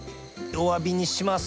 弱火にします